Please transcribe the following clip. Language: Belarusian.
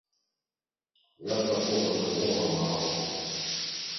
Я б такога жывога на агонь.